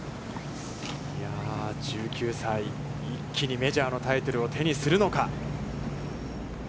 １９歳、一気にメジャーのタイトルを手にするのか。